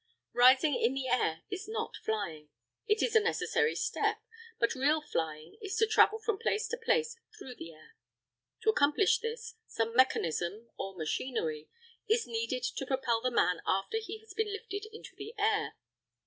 Rising in the air is not flying. It is a necessary step, but real flying is to travel from place to place through the air. To accomplish this, some mechanism, or machinery, is needed to propel the man after he has been lifted into the air.